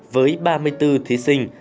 với ba mươi bốn thí sinh